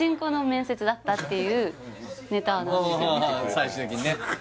最終的にね